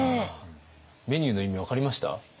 メニューの意味分かりました？